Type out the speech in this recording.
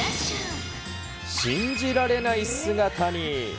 信じられない姿に。